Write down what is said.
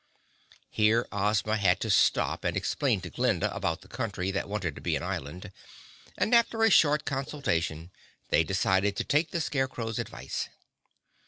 Here Ozma had to stop and explain to Glinda about the Country that wanted to be an Island, and after a short consultation they decided to take the Scarecrow's advice.